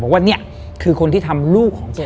ว่าเนี่ยคือคนที่ทำลูกของแก